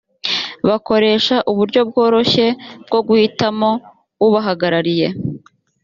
bakoresha uburyo bworoshye bwo guhitamo ubahagarariye